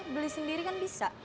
beli sendiri kan bisa